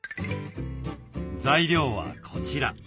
材料はこちら。